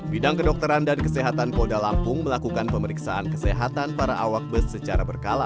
bidang kedokteran dan kesehatan polda lampung melakukan pemeriksaan kesehatan para awak bus secara berkala